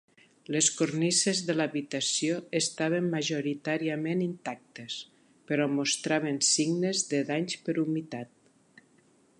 Les cornises de l'habitació estaven majoritàriament intactes, però mostraven signes de danys per humitat.